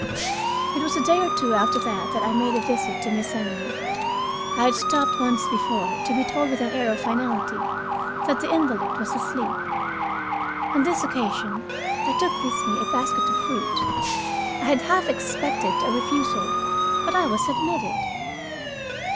It was a day or two after that that I made my visit to Miss Emily. I had stopped once before, to be told with an air of finality that the invalid was asleep. On this occasion I took with me a basket of fruit. I had half expected a refusal, but I was admitted.